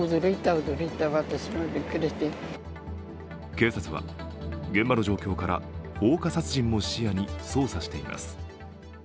警察は、現場の状況から放火殺人も視野に捜査しています。